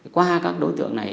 qua các đối tượng này